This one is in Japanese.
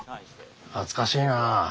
懐かしいなあ。